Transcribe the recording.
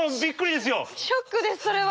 ショックですそれは。